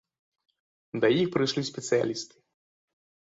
Да іх прыйшлі спецыялісты.